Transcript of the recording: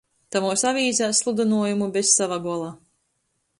Tamuos avīzēs sludynuojumu bez sova gola.